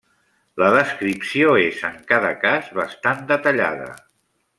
La descripció és, en cada cas, bastant detallada.